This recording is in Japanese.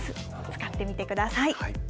使ってみてください。